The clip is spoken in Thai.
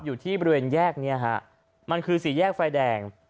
อยู่ที่บริเวณแยกนี้ฮะมันคือสี่แยกไฟแดง